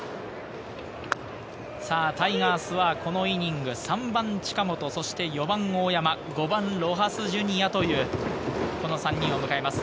タイガースはこのイニング、３番・近本、４番・大山、５番ロハス・ジュニアというこの３人を迎えます。